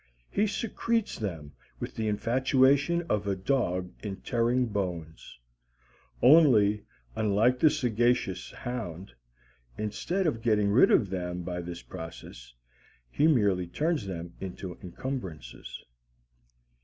He secretes them with the infatuation of a dog interring bones. Only, unlike the sagacious hound, instead of getting rid of them by this process, he merely turns them into encumbrances.